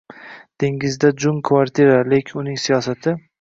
Dengizga jung kvartira, lekin uning siyosati